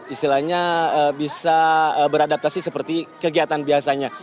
istilahnya bisa beradaptasi seperti kegiatan biasanya